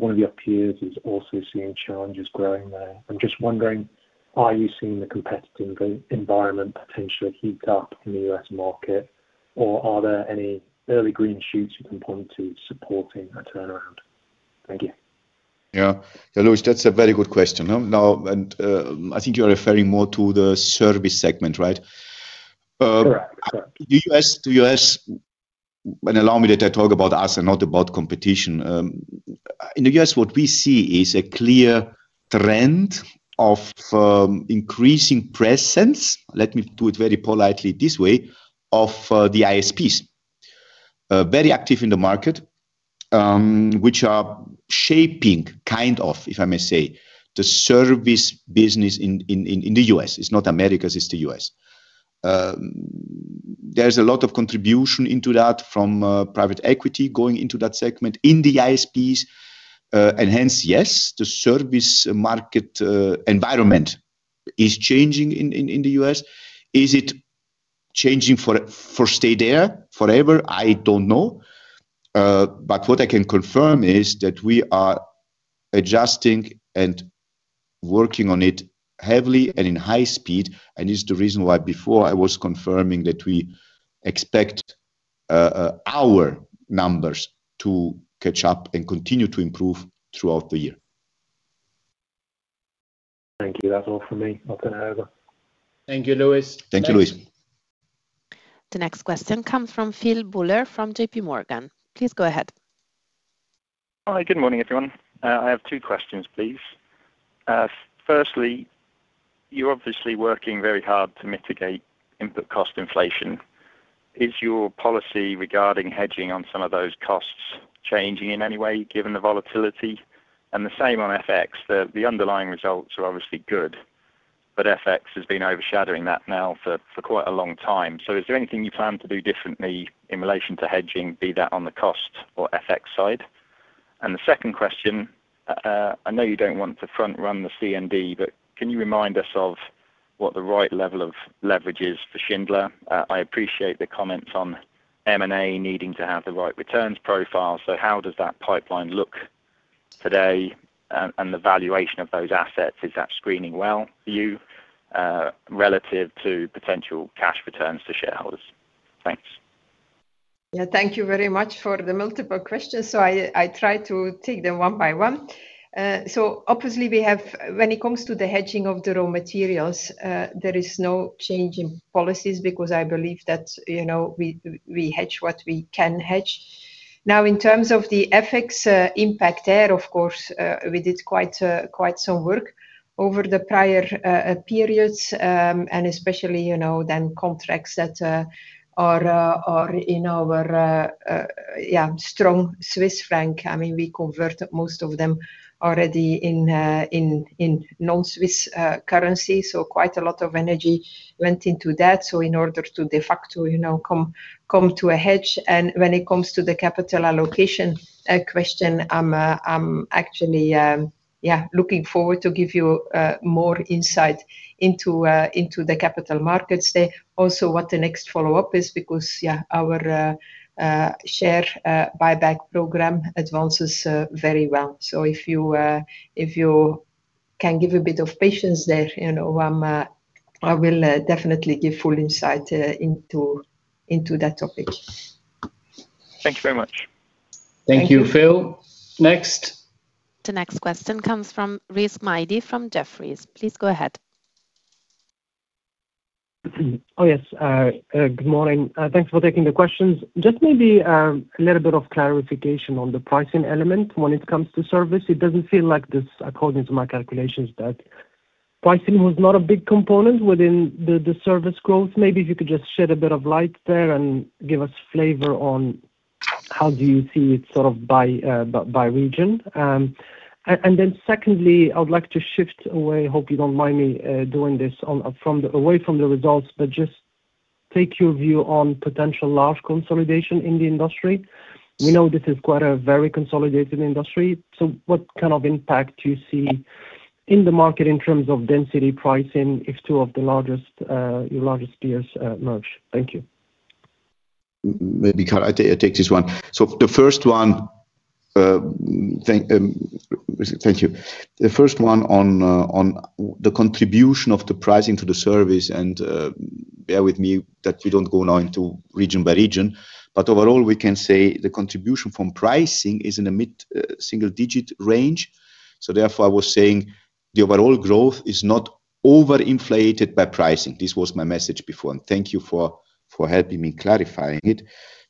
One of your peers is also seeing challenges growing there. I'm just wondering, are you seeing the competitive environment potentially heat up in the U.S. market, or are there any early green shoots you can point to supporting a turnaround? Thank you. Yeah. Lewis, that's a very good question. Now, and I think you're referring more to the service segment, right? Correct. The U.S., allow me that I talk about us and not about competition. In the U.S., what we see is a clear trend of increasing presence. Let me do it very politely this way, of the ISPs. Very active in the market, which are shaping, kind of, if I may say, the service business in the U.S. It's not Americas, it's the U.S. There's a lot of contribution into that from private equity going into that segment in the ISPs, and hence, yes, the service market environment is changing in the U.S. Is it changing to stay there forever? I don't know. What I can confirm is that we are adjusting and working on it heavily and in high speed, and this is the reason why before I was confirming that we expect our numbers to catch up and continue to improve throughout the year. Thank you. That's all from me. Nothing to add. Thank you, Lewis. Thank you, Lewis. The next question comes from Phil Buller from JPMorgan. Please go ahead. Hi, good morning, everyone. I have two questions, please. Firstly, you're obviously working very hard to mitigate input cost inflation. Is your policy regarding hedging on some of those costs changing in any way given the volatility? The same on FX, the underlying results are obviously good, but FX has been overshadowing that now for quite a long time. Is there anything you plan to do differently in relation to hedging, be that on the cost or FX side? The second question, I know you don't want to front-run the CMD, but can you remind us of what the right level of leverage is for Schindler? I appreciate the comments on M&A needing to have the right returns profile. How does that pipeline look today and the valuation of those assets, is that screening well for you, relative to potential cash returns to shareholders? Thanks. Yeah, thank you very much for the multiple questions. I try to take them one by one. Obviously we have, when it comes to the hedging of the raw materials, there is no change in policies because I believe that we hedge what we can hedge. Now, in terms of the FX impact there, of course, we did quite some work over the prior periods, and especially, then contracts that are in our strong Swiss franc. We converted most of them already in non-Swiss currency. Quite a lot of energy went into that. In order to de facto come to a hedge. When it comes to the capital allocation question, I'm actually looking forward to give you more insight into the Capital Markets Day. Also what the next follow-up is because, yeah, our share buyback program advances very well. If you can give a bit of patience there, I will definitely give full insight into that topic. Thank you very much. Thank you, Phil. Next. The next question comes from Rizk Maidi from Jefferies. Please go ahead. Oh, yes. Good morning. Thanks for taking the questions. Just maybe a little bit of clarification on the pricing element when it comes to service. It doesn't feel like this, according to my calculations, that pricing was not a big component within the service growth. Maybe if you could just shed a bit of light there and give us flavor on how do you see it by region? Secondly, I would like to shift away, hope you don't mind me doing this, away from the results, but just take your view on potential large consolidation in the industry. We know this is quite a very consolidated industry. What kind of impact do you see in the market in terms of density pricing if two of your largest peers merge? Thank you. Maybe, Carla, I take this one. The first one, thank you. The first one on the contribution of the pricing to the service, and bear with me that we don't go now into region by region, but overall, we can say the contribution from pricing is in a mid-single digit range. Therefore, I was saying the overall growth is not over-inflated by pricing. This was my message before, and thank you for helping me clarifying it.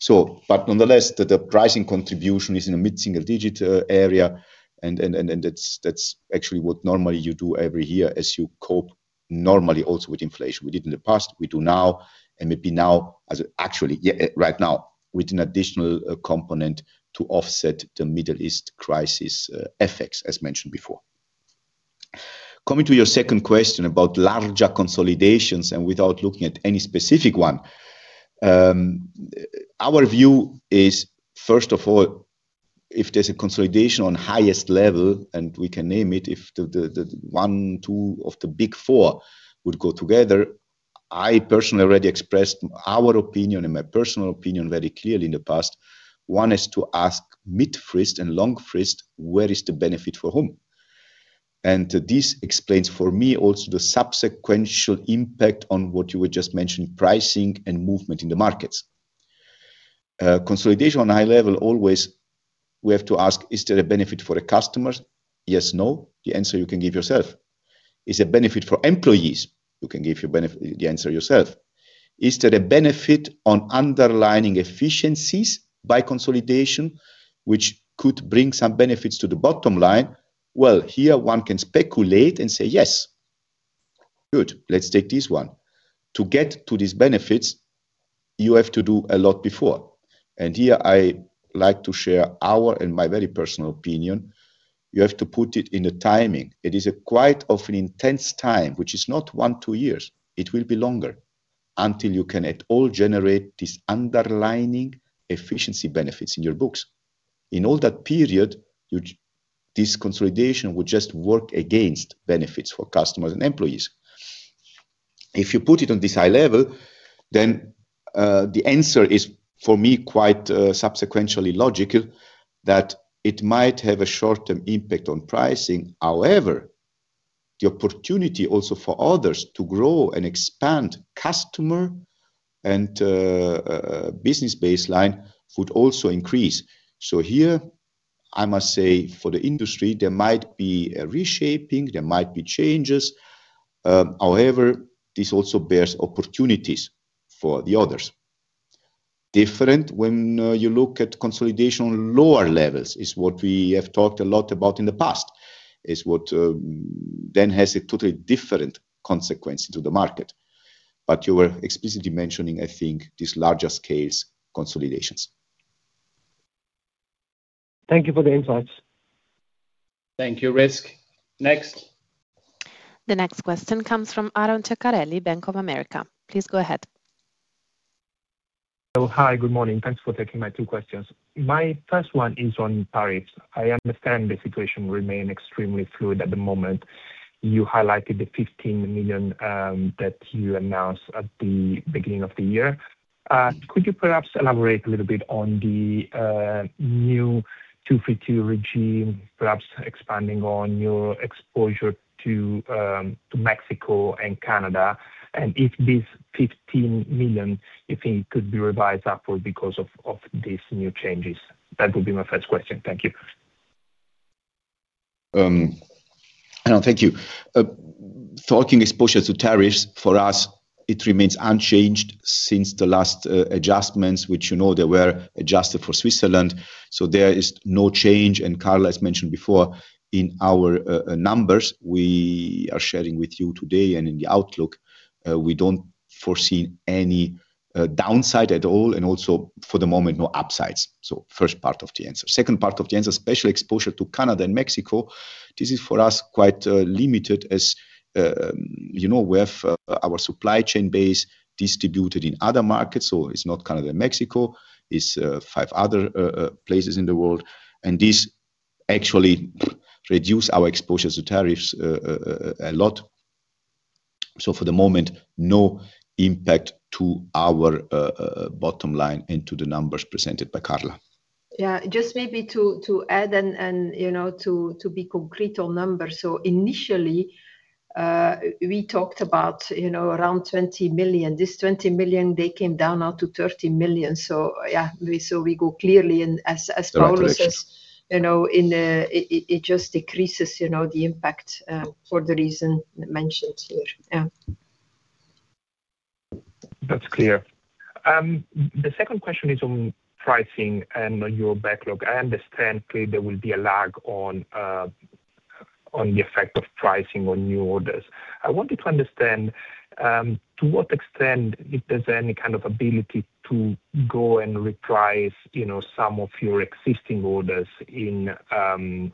But nonetheless, the pricing contribution is in a mid-single digit area, and that's actually what normally you do every year as you cope normally also with inflation. We did in the past, we do now, and maybe now, actually right now, with an additional component to offset the Middle East crisis effects, as mentioned before. Coming to your second question about larger consolidations and without looking at any specific one. Our view is, first of all, if there's a consolidation on highest level, and we can name it, if one or two of the big four would go together. I personally already expressed our opinion and my personal opinion very clearly in the past. One is to ask mid-term and long-term, where is the benefit for whom? This explains for me also the subsequent impact on what you were just mentioning, pricing and movement in the markets. Consolidation on high level, always we have to ask, is there a benefit for the customers? Yes, no. The answer you can give yourself. Is there benefit for employees? You can give the answer yourself. Is there a benefit on underlying efficiencies by consolidation, which could bring some benefits to the bottom line? Well, here one can speculate and say yes. Good. Let's take this one. To get to these benefits, you have to do a lot before. Here I like to share our and my very personal opinion. You have to put it in the timing. It is quite an intense time, which is not one, two years. It will be longer until you can at all generate this underlying efficiency benefits in your books. In all that period, this consolidation would just work against benefits for customers and employees. If you put it on this high level, then the answer is, for me, quite consequentially logical, that it might have a short-term impact on pricing. However, the opportunity also for others to grow and expand customer and business baseline would also increase. Here, I must say for the industry, there might be a reshaping, there might be changes. However, this also bears opportunities for the others. Different when you look at consolidation on lower levels is what we have talked a lot about in the past. Is what then has a totally different consequence to the market. You were explicitly mentioning, I think, this larger scale consolidations. Thank you for the insights. Thank you, Rizk. Next. The next question comes from Aron Ceccarelli, Bank of America. Please go ahead. Oh, hi. Good morning. Thanks for taking my two questions. My first one is on tariffs. I understand the situation remain extremely fluid at the moment. You highlighted the 15 million that you announced at the beginning of the year. Could you perhaps elaborate a little bit on the new 232 regime, perhaps expanding on your exposure to Mexico and Canada? And if this 15 million, if it could be revised upward because of these new changes? That would be my first question. Thank you. Aron, thank you. Talking exposure to tariffs, for us, it remains unchanged since the last adjustments, which, you know, they were adjusted for Switzerland. There is no change. Carla has mentioned before, in our numbers we are sharing with you today and in the outlook, we don't foresee any downside at all, and also for the moment, no upsides. First part of the answer. Second part of the answer, specific exposure to Canada and Mexico. This is for us quite limited as you know, we have our supply chain base distributed in other markets. It's not Canada and Mexico. It's five other places in the world. This actually reduce our exposure to tariffs a lot. For the moment, no impact to our bottom line and to the numbers presented by Carla. Yeah. Just maybe to add and to be concrete on numbers. Initially, we talked about around 20 million. This 20 million, they came down now to 30 million. Yeah, so we go clearly and as Paolo says, it just decreases the impact for the reason mentioned here. Yeah. That's clear. The second question is on pricing and your backlog. I understand clearly there will be a lag on the effect of pricing on new orders. I wanted to understand, to what extent if there's any kind of ability to go and reprice some of your existing orders in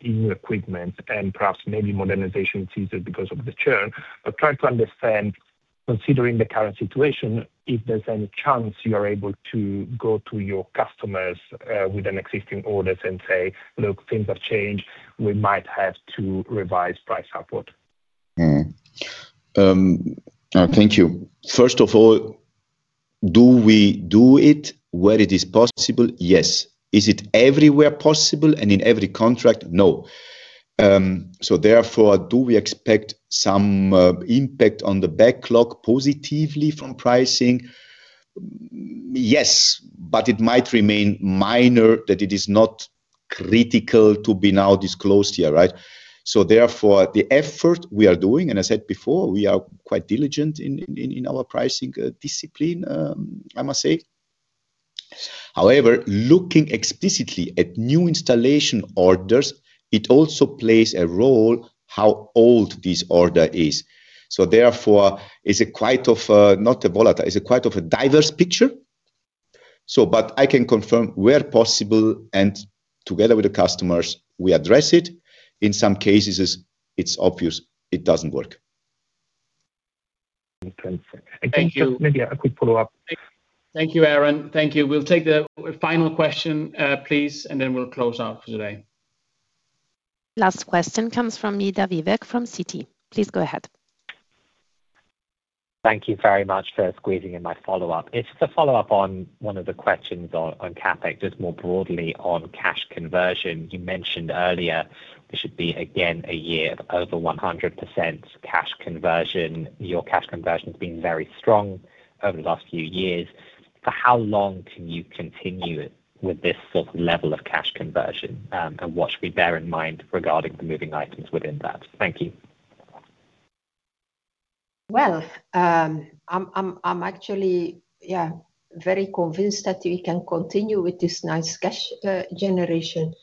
your equipment and perhaps maybe modernization is easier because of the churn. Try to understand, considering the current situation, if there's any chance you are able to go to your customers within existing orders and say, "Look, things have changed. We might have to revise price upward. Thank you. First of all, do we do it where it is possible? Yes. Is it everywhere possible and in every contract? No. Therefore, do we expect some impact on the backlog positively from pricing? Yes, but it might remain minor, that it is not critical to be now disclosed here, right? Therefore, the effort we are doing, and I said before, we are quite diligent in our pricing discipline, I must say. However, looking explicitly at new installation orders, it also plays a role how old this order is. Therefore, it's quite a diverse picture. I can confirm, where possible and together with the customers, we address it. In some cases, it's obvious it doesn't work. Okay. Thank you. Maybe a quick follow-up. Thank you, Aron. Thank you. We'll take the final question, please, and then we'll close out for today. Last question comes from Midha Vivek from Citi. Please go ahead. Thank you very much for squeezing in my follow-up. It's a follow-up on one of the questions on CapEx, just more broadly on cash conversion. You mentioned earlier it should be again a year of over 100% cash conversion. Your cash conversion's been very strong over the last few years. For how long can you continue with this sort of level of cash conversion? What should we bear in mind regarding the moving items within that? Thank you. Well, I'm actually very convinced that we can continue with this nice cash generation.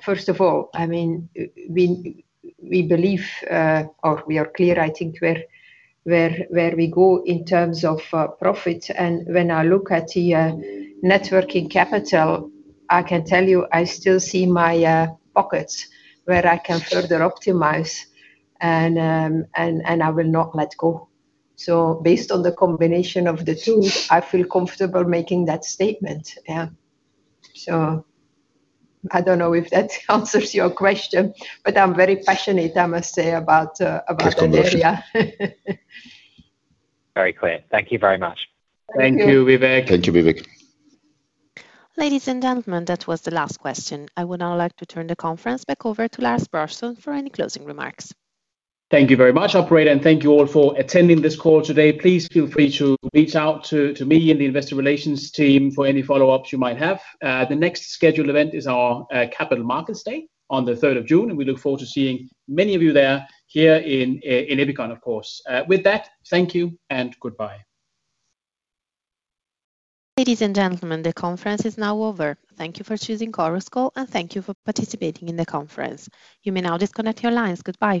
First of all, we believe, or we are clear, I think, where we go in terms of profit. When I look at the net working capital, I can tell you I still see my pockets where I can further optimize, and I will not let go. Based on the combination of the two, I feel comfortable making that statement. Yeah. I don't know if that answers your question, but I'm very passionate, I must say, about that area. Very clear. Thank you very much. Thank you, Vivek. Thank you, Vivek. Ladies and gentlemen, that was the last question. I would now like to turn the conference back over to Lars Brorson for any closing remarks. Thank you very much, operator, and thank you all for attending this call today. Please feel free to reach out to me and the investor relations team for any follow-ups you might have. The next scheduled event is our Capital Markets Day on the 3rd of June, and we look forward to seeing many of you there here in Ebikon, of course. With that, thank you and goodbye. Ladies and gentlemen, the conference is now over. Thank you for choosing Chorus Call, and thank you for participating in the conference. You may now disconnect your lines. Goodbye